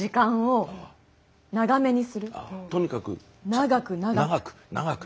長く長く。